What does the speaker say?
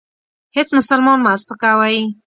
هیڅ مسلمان مه سپکوئ.